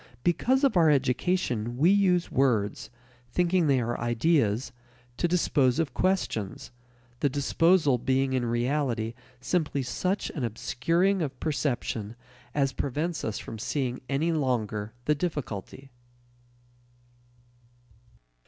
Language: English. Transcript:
Because of our education we use words, thinking they are ideas, to dispose of questions, the disposal being in reality simply such an obscuring of perception as prevents us from seeing any longer the difficulty.